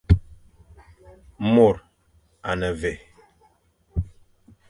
Môr a ne mvè.